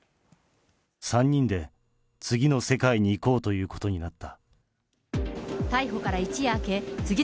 ３人で次の世界に行こうということになった。